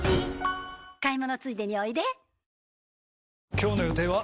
今日の予定は？